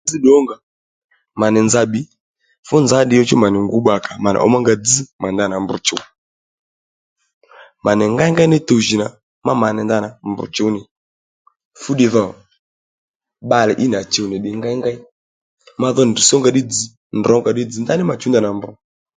Dzź nì ónga mànì nza bbǐy fú nza óddiy chú mà nì ngǔ bbakà mà nì ǒnga dzz mà nì ndanà mb chǔw mà nì ngéyngéy ní tuw jì nà mà nì ndanà mb chǔw nì fúddiy dho bbalè ínì à chuw nì ddiy ngéyngéy ma dho drr̀tsś ónga ddí dzz, drr̀ ónga ddí dzz ndaní ma chǔw ndanà mb